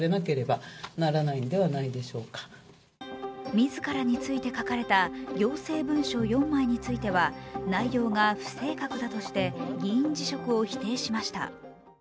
自らについて書かれた行政文書４枚については、内容が不正確だとして議員辞職を否定しました。